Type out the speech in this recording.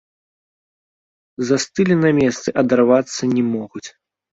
Застылі на месцы, адарвацца не могуць.